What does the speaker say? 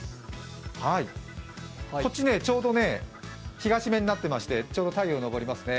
こちらちょうど東面になってましてちょうど太陽が昇りますね。